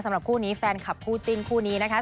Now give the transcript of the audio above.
สำหรับคู่นี้แฟนคลับคู่จิ้นคู่นี้นะคะ